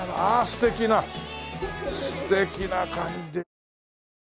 素敵な感じで。